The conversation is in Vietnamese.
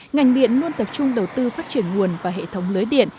ngành điện luôn tập trung đầu tư phát triển nguồn và hệ thống lưới điện